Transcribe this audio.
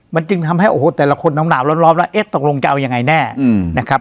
มันจึงทำให้โอ้โหแต่ละคนหนาวร้อนแล้วเอ๊ะตกลงจะเอายังไงแน่นะครับ